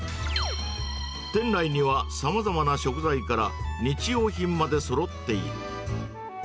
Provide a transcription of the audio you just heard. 店内には、さまざまな食材から日用品までそろっている。